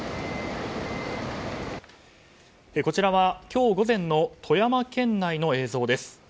こちらは今日午前の富山県内の様子です。